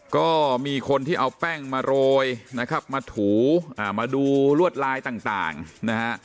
ก็มีคนที่เอาแป้งมาโรยนะครับมาถูมาดูลวดลายต่างนะฮะ